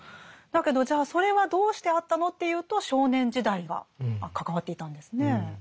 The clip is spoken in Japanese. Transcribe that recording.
だけどじゃあそれはどうしてあったのっていうと少年時代が関わっていたんですね。